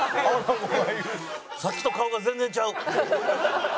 さっきと顔が全然ちゃう。